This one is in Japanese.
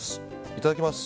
いただきます。